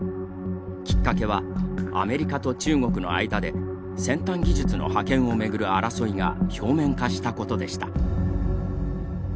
きっかけはアメリカと中国の間で先端技術の覇権を巡る争いが表面化したことでした。